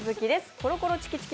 コロコロチキチキ